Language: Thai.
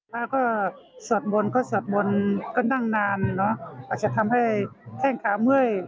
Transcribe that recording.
ภาพก็สวดมนต์ก็สวดมนต์ก็นั่งนานจะทำให้แข้งขามื้อย